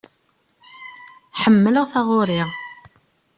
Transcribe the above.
Ḥemmleɣ taɣuri.